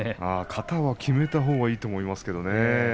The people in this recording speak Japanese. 型は決めたほうがいいと思いますね。